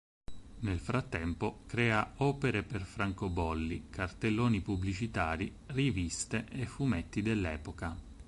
Nel frattempo crea opere per francobolli, cartelloni pubblicitari, riviste e fumetti dell'epoca.